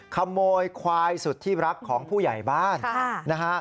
ขโมยควายสุดที่รักของผู้ใหญ่บ้านนะฮะ